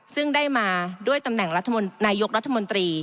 ซึ่งได้มาด้วยตำแหน่งนายกรัฐมนตรี